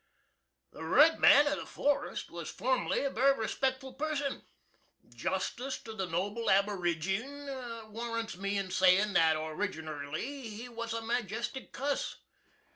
The red man of the forest was form'ly a very respectful person. Justice to the noble aboorygine warrants me in sayin' that orrigernerly he was a majestic cuss.